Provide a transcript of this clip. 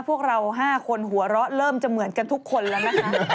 พวกเรา๕คนหูล้อเริ่มจะเหมือนกันทุกคนละนะคะ